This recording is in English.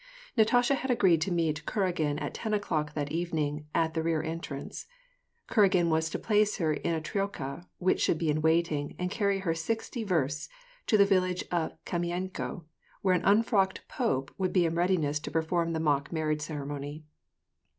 Natasha had agreed to meet Kuragin at ten o'clock that evening, at the rear entrance. Kui agiii was to place her in a troika which should be in waiting, and carry her sixty versts to the village of Kamienko, where an unfrocked pope would be in readiness to perfonn a mock marriage ceremony.